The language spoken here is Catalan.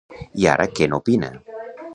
I ara què n'opina?